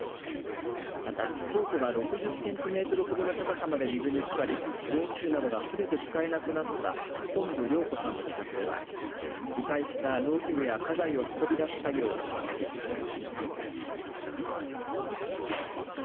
また、倉庫が６０センチメートルほどの高さまで水につかり農機具などが、すべて使えなくなった本部量子さんの自宅では被災した農機具や家財などを運び出す作業を進めていました。